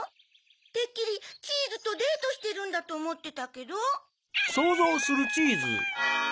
てっきりチーズとデートしてるんだとおもってたけど。